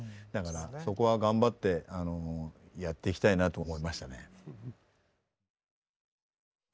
そこは頑張ってやっていきたいなと思いましたね。